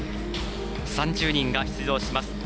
３０人が出場します